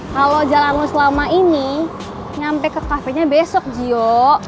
kalau jalannya selama ini nyampe ke cafe nya besok jiho